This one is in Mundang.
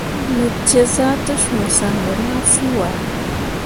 Me ceezah te cũũ san ɓe mah fuu ah.